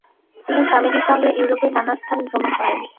তিনি স্বামীজীর সঙ্গে ইউরোপের নানাস্থান ভ্রমণ করেন।